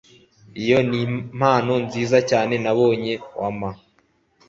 iyo niyo mpano nziza cyane nabonye wma